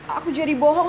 aku jadi bohong